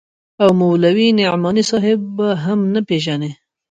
او مولوي نعماني صاحب به هم نه پېژنې.